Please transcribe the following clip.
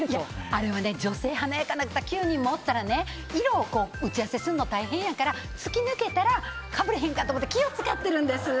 あれは女性華やかな方９人もおったら色を打ち合わせするの大変だから突き抜けたらかぶらへんかと思って気を使っているんです。